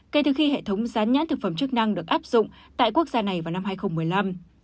kể từ khi hệ thống gián nhãn thực phẩm chức năng được áp dụng tại quốc gia này vào năm hai nghìn một mươi năm